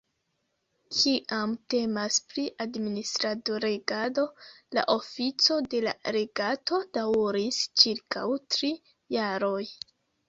Kiam temas pri administrado-regado, la ofico de la legato daŭris ĉirkaŭ tri jaroj.